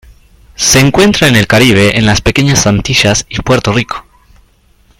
Se encuentra en el Caribe en las Pequeñas Antillas y Puerto Rico.